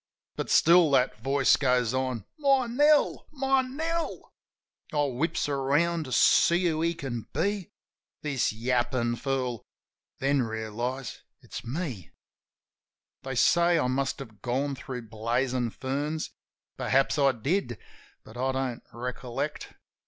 But still that voice goes on : "My Nell ! My Nell !" I whips round quick to see who he can be. This yappin' fool — then realize it's me. They say I must have gone thro' blazin' ferns. Perhaps I did; but I don't recollect.